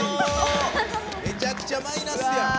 めちゃくちゃマイナスやん。